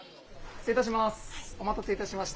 失礼いたします。